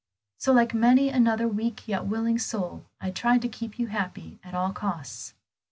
So like many another weak yet willing soul, I tried to keep you happy at all costs."